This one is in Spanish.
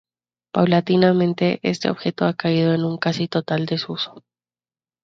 Paulatinamente, este objeto ha caído en un casi total desuso.